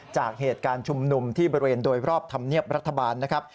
จากเหตุการณ์ชุมนุมที่บริเวณโดยรอบธรรมเนียบรัฐบาลนะครับ